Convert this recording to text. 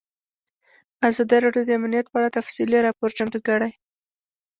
ازادي راډیو د امنیت په اړه تفصیلي راپور چمتو کړی.